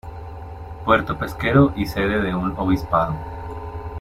Puerto pesquero y sede de un obispado.